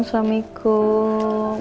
yeay selamat ulang tahun suamiku